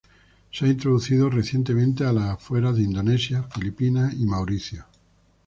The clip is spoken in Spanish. Se ha introducido recientemente a las afueras de Indonesia, Filipinas y Mauricio.